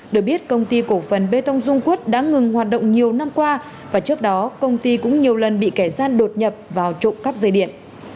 được biết công ty cổ phần bê tông dung quất đã ngừng hoạt động nhiều năm qua và trước đó công ty cũng nhiều lần bị kẻ gian đột nhập vào trộm cắp dây điện